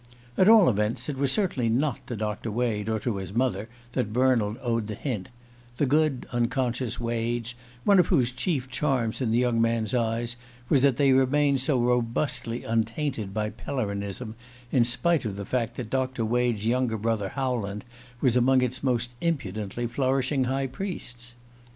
At all events, it was certainly not to Doctor Wade or to his mother that Bernald owed the hint: the good unconscious Wades, one of whose chief charms in the young man's eyes was that they remained so robustly untainted by Pellerinism, in spite of the fact that Doctor Wade's younger brother, Howland, was among its most impudently flourishing high priests.